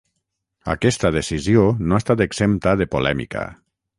Aquesta decisió no ha estat exempta de polèmica.